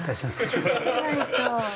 気をつけないと。